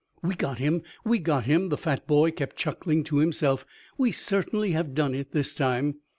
"We got him! We got him!" the fat boy kept chuckling to himself. "We certainly have done it this time."